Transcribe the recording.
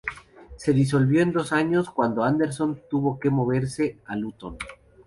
Se disolvió en dos años cuando Anderson tuvo que moverse a Luton.